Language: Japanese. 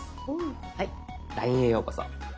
はい「ＬＩＮＥへようこそ」。